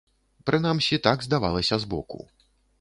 Прынамсі, так здавалася збоку.